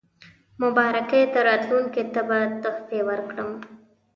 مبارکۍ ته راتلونکو ته به تحفې ورکړم.